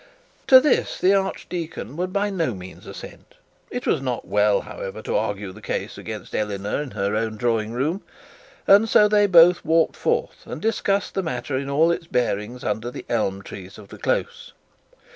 To this the archdeacon would by no means assent. It was not well, however, to argue the case against Eleanor in her own drawing room, and so they both walked forth and discussed the matter in all the bearings under the elm trees of the close.